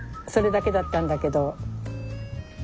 それだけだったんだけど。